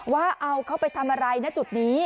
ว่าเอาเขาไปทำอะไรนะจุดนี้